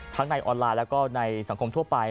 ในออนไลน์แล้วก็ในสังคมทั่วไป